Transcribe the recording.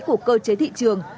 của cơ chế thị trường